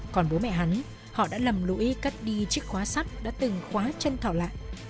còn bố mẹ hắn họ đã lầm lũy cắt đi chiếc khóa sắt đã từng khóa chân thảo lại